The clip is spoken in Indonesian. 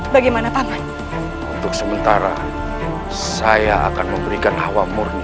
bagaimana pangan untuk sementara saya akan memberikan hawa murni